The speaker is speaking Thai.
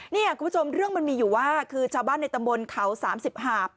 เนี่ยคุณผู้ชมเรื่องมันมีอยู่ว่าคือชาวบ้านในตำบลเขา๓๐หาบ